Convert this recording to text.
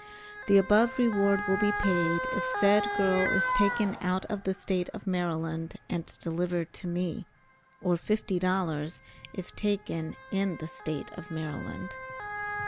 The above reward will be paid if said girl is taken out of the State of Maryland and delivered to me; or fifty dollars if taken in the State of Maryland.